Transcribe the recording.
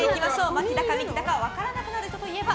真紀だか美紀だか分からなくなる人といえば？